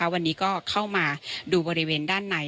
วันนี้ก็เข้ามาดูบริเวณด้านใน